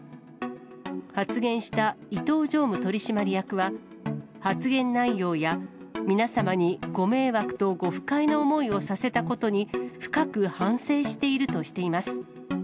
発言した伊東常務取締役は、発言内容や皆様にご迷惑とご不快な思いをさせたことに、深く反省しているとしています。